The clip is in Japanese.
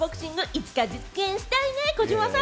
いつか実現したいね、児嶋さん。